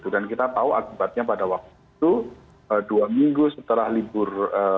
kita tahu akibatnya pada waktu itu dua minggu setelah libur